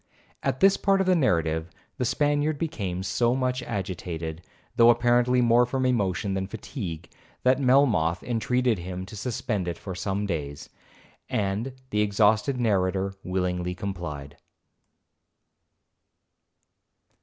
At this part of the narrative, the Spaniard became so much agitated, though apparently more from emotion than fatigue, that Melmoth intreated him to suspend it for some days, and the exhausted narrator willingly complied.